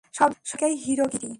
সব জায়গায় হিরো গিরি!